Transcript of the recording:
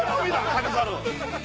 『旅猿』。